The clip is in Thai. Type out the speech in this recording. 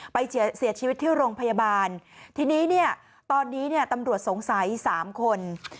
เสียชีวิตที่โรงพยาบาลทีนี้เนี่ยตอนนี้เนี่ยตำรวจสงสัย๓คน